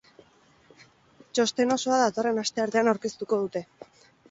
Txosten osoa datorren asteartean aurkeztuko dute.